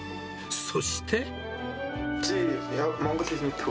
そして。